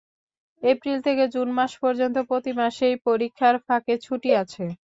April থেকে June মাস পর্যন্ত প্রতি মাসেই পরীক্ষার ফাঁকে ছুটি আছে।